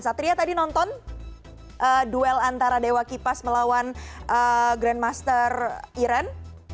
satria tadi nonton duel antara dewa kipas melawan grandmaster iran